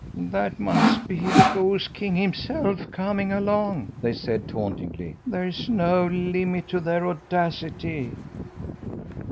"That must be the goose king himself coming along," they said tauntingly. "There's no limit to their audacity!"